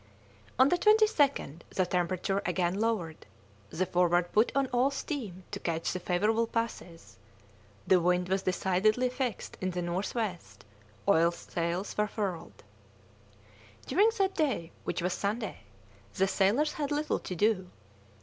On the 22nd the temperature again lowered; the Forward put on all steam to catch the favourable passes: the wind was decidedly fixed in the north west; all sails were furled. During that day, which was Sunday, the sailors had little to do.